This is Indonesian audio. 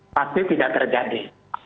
pasti tidak terjadi